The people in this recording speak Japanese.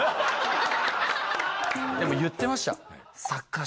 でも言ってました。